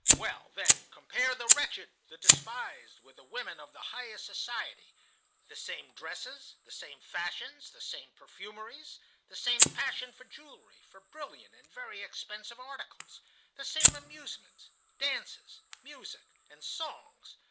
Well, then, compare the wretched, the despised, with the women of the highest society: the same dresses, the same fashions, the same perfumeries, the same passion for jewelry, for brilliant and very expensive articles, the same amusements, dances, music, and songs.